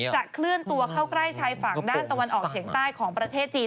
เคลื่อนตัวเข้าใกล้ชายฝั่งด้านตะวันออกเฉียงใต้ของประเทศจีน